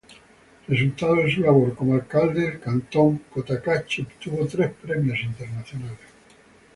Resultado de su labor como alcalde el cantón Cotacachi obtuvo tres premios internacionales.